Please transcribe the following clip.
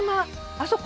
あそこ